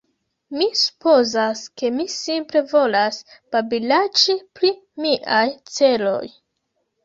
Mi supozas, ke mi simple volas babilaĉi pri miaj celoj.